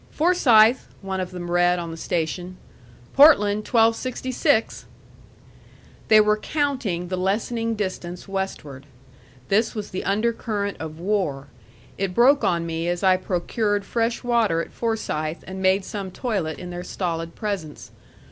"Forsythe," one of them read on the station. "Portland 1266." They were counting the lessening distance westward. This was the undercurrent of war. It broke on me as I procured fresh water at Forsythe and made some toilet in their stolid presence.